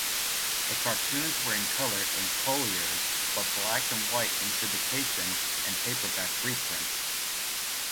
The cartoons were in color in "Collier's" but black-and-white in syndication and paperback reprints.